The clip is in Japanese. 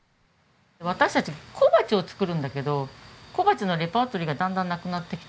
私たち小鉢を作るんだけど小鉢のレパートリーがだんだんなくなってきて。